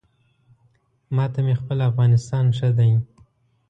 ما ته مې خپل افغانستان ښه دی